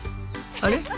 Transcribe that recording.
あれ？